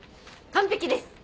完璧です！